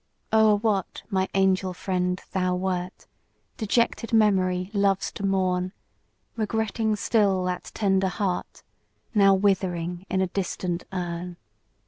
O'er what, my angel friend, thou wert, Dejected Memory loves to mourn; Regretting still that tender heart, Now withering in a distant urn.